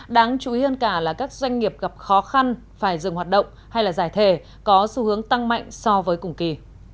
đáng chú ý hơn cả là các doanh nghiệp gặp khó khăn phải dừng hoạt động hay là giải thể có xu hướng tăng mạnh so với cùng kỳ